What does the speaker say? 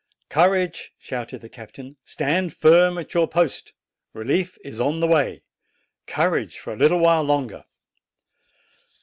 "Courage!" shouted the captain. "Stand firm at your post! Relief is on the way! Courage for a little while longer!"